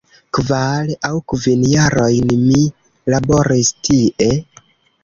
Kvar aŭ kvin jarojn, mi laboris tie.